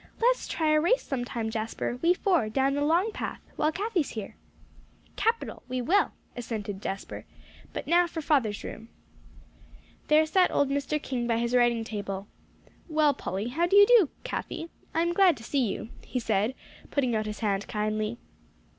"Let's try a race sometime, Jasper; we four, down the Long Path, while Cathie's here." "Capital! We will," assented Jasper, "but now for father's room." There sat old Mr. King by his writing table. "Well, Polly how do you do, Cathie? I am glad to see you," he said, putting out his hand kindly.